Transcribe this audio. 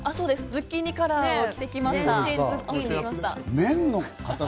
ズッキーニカラーを着てきました。